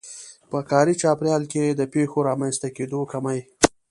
په کاري چاپېريال کې د پېښو د رامنځته کېدو کمی.